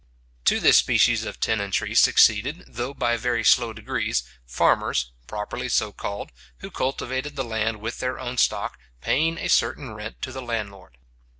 To this species of tenantry succeeded, though by very slow degrees, farmers, properly so called, who cultivated the land with their own stock, paying a rent certain to the landlord.